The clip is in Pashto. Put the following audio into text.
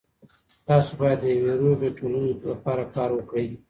تاسو باید د یوې روغې ټولنې لپاره کار وکړئ.